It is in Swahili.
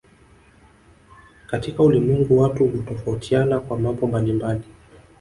Katika ulimwengu watu hutofautiana kwa mambo mbalimbali